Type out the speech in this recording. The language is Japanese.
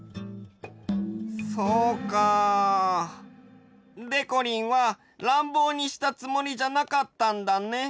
そうか。でこりんはらんぼうにしたつもりじゃなかったんだね。